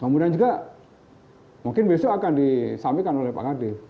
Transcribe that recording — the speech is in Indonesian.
kemudian juga mungkin besok akan disampaikan oleh pak ngade